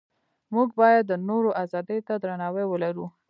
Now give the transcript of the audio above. موږ باید د نورو ازادۍ ته درناوی ولرو.